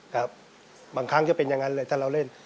ครับบางครั้งจะเป็นอย่างนั้นเลยถ้าเราเล่น